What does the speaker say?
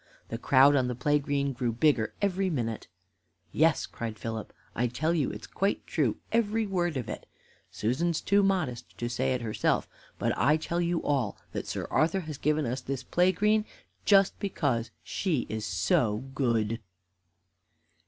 The crowd on the play green grew bigger every minute. "Yes," cried Philip, "I tell you it's quite true, every word of it. Susan's too modest to say it herself, but I tell you all, that Sir Arthur has given us this play green just because she is so good."